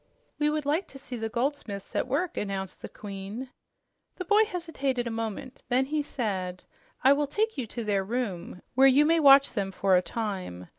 "We would like to see the goldsmiths at work," announced the Queen. The boy hesitated a moment. Then he said, "I will take you to their room, where you may watch them for a time.